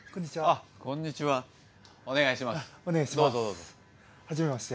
あっ始めまして。